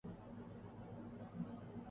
اس میں ہمارے گناہوں کا کچھ ضرور دخل ہو گا۔